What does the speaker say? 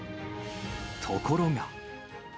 ところが。